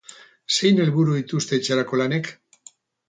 Zein helburu dituzte etxerako lanek?